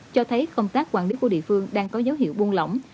cho thấy công tác quản lý của địa phương đang có dấu hiệu buôn lỏng